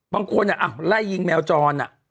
บางคนไล่ยิงแมวจร